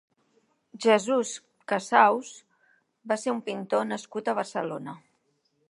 Jesús Casaus va ser un pintor nascut a Barcelona.